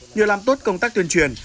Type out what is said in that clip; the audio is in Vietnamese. nhờ làm tốt công tác tuyên truyền